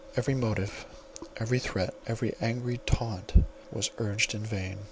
Every motive, every threat, every angry taunt was urged in vain.